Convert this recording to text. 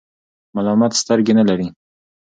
ملامت سترګي نلری .